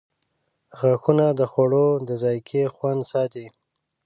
• غاښونه د خوړو د ذایقې خوند ساتي.